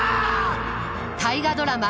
大河ドラマ